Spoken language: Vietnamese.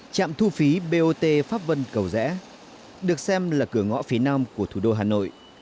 trạm thu phí bot pháp vân cầu rẽ được xem là cửa ngõ phía nam của thủ đô hà nội